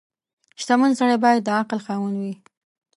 • شتمن سړی باید د عقل خاوند وي.